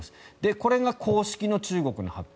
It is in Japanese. これが公式の中国の発表